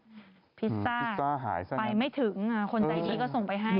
ดูสิพิซซ่าไปไม่ถึงคนใดดีก็ส่งไปให้